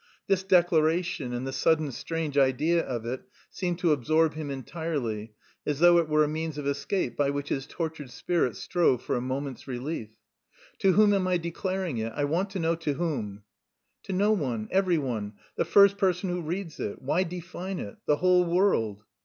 This declaration and the sudden strange idea of it seemed to absorb him entirely, as though it were a means of escape by which his tortured spirit strove for a moment's relief. "To whom am I declaring it? I want to know to whom?" "To no one, every one, the first person who reads it. Why define it? The whole world!"